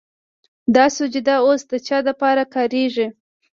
دا سجده وس د چا دپاره کيږي